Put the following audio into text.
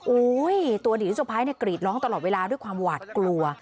โอ้โฮตัวอดีตรุษภัยกรีดร้องตลอดเวลาด้วยความหวาดกลัว